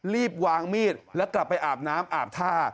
รีบวางมีดแล้วกลับไปอาบน้ำอาบท่า